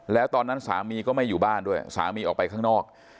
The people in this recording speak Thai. แล้วตอนนั้นสามีก็ไม่อยู่บ้านด้วยสามีออกไปข้างนอก